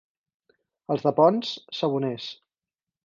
Els de Ponts, saboners.